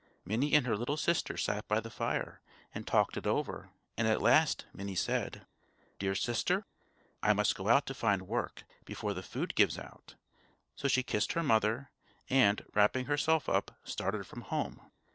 Minnie and her little sister sat by the fire and talked it over, and at last Minnie said: "Dear sister, I must go out to find work, before the food gives out." So she kissed her mother, and, wrapping herself up, started from home.